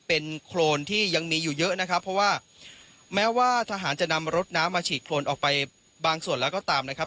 เป็นโครนที่ยังมีอยู่เยอะนะครับเพราะว่าแม้ว่าทหารจะนำรถน้ำมาฉีดโครนออกไปบางส่วนแล้วก็ตามนะครับ